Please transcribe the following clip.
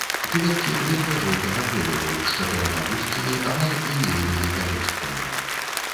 Кветкі бледна-жоўтага колеру, з чатырма вузкімі, амаль лінейнымі пялёсткамі.